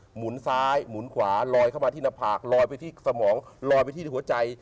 หมุนซ้ายหมุนขวาลอยเข้ามาที่หน้าผากลอยไปที่สมองลอยไปที่หัวใจ